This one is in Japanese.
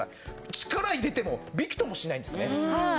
力入れてもびくともしないんですね。